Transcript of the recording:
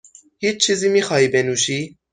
هیچ چیزی میخواهی بنوشی؟